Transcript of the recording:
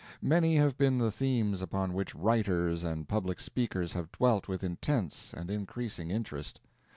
Many have been the themes upon which writers and public speakers have dwelt with intense and increasing interest.